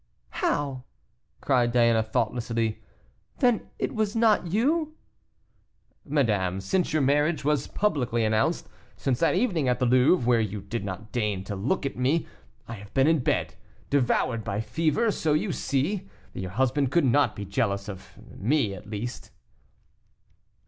"How!" cried Diana thoughtlessly, "then it was not you?" "Madame, since your marriage was publicly announced, since that evening at the Louvre, where you did not deign to look at me, I have been in bed, devoured by fever, so you see that your husband could not be jealous of me, at least."